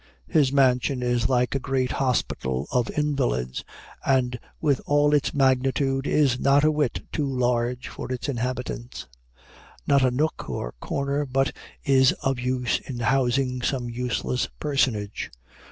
His mansion is like a great hospital of invalids, and, with all its magnitude, is not a whit too large for its inhabitants. Not a nook or corner but is of use in housing some useless personage.